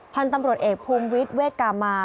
พันธุ์ตำรวจเอกภูมิวิทย์เวทกามา